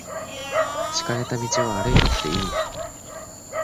敷かれた道を歩いたっていい。